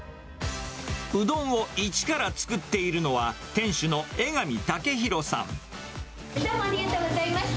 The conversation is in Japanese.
うどんを一から作っているのは、どうもありがとうございました。